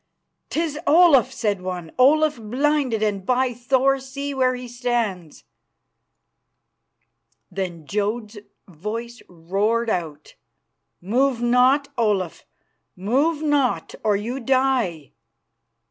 "'Tis Olaf," said one, "Olaf blinded, and, by Thor, see where he stands!" Then Jodd's voice roared out, "Move not, Olaf; move not, or you die."